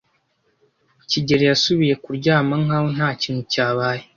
kigeli yasubiye kuryama nkaho ntakintu cyabaye.